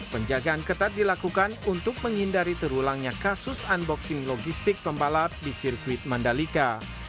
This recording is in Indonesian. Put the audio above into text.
penjagaan ketat dilakukan untuk menghindari terulangnya kasus unboxing logistik pembalap di sirkuit mandalika